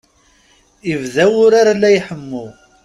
Ibda wurar la iḥemmu.